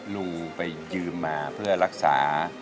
ลุงไปยืมมาเพื่อรักษา